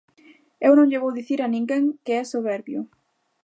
Eu non lle vou dicir a ninguén que é soberbio.